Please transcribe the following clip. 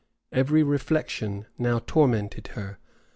Every reflection now tormented her.